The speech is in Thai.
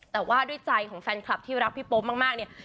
แต่ว่าด้วยใจของแฟนคลับที่รักพี่โป๊ปมากเนี่ย